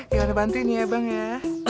gimana bantu ini ya bang ya